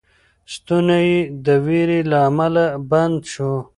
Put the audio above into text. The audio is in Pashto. ستونی یې د وېرې له امله بند شو.